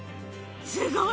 すごい！